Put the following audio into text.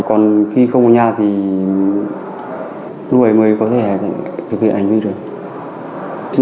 còn khi không ở nhà thì lúc ấy mới có thể thực hiện hành vi được